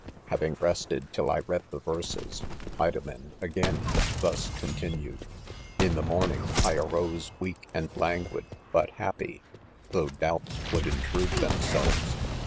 *#■■##' Having rested till I read the verses, Ido men again, thus continued :;£ In the morn ing I arose weak and languid but happy, —■ though doubts would intrude, themselves.